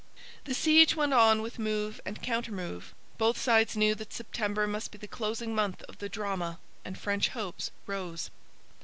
The siege went on with move and counter move. Both sides knew that September must be the closing month of the drama, and French hopes rose.